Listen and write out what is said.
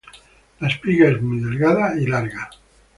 La espiga es muy delgada y larga.